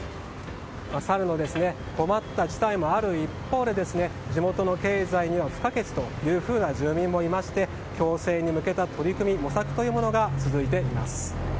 サルの困った事態もある一方で地元の経済には不可欠という住民もいまして共生に向けた取り組み模索が続いています。